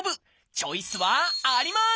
チョイスはあります！